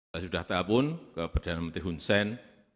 saya sudah tahan pun ke perdana menteri hun sen